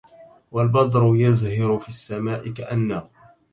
والبدر يزهر في السماء كأنه